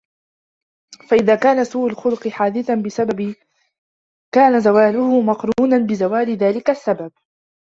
فَإِذَا كَانَ سُوءُ الْخُلُقِ حَادِثًا بِسَبَبٍ كَانَ زَوَالُهُ مَقْرُونًا بِزَوَالِ ذَلِكَ السَّبَبِ